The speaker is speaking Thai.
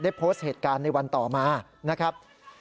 โพสต์เหตุการณ์ในวันต่อมานะครับ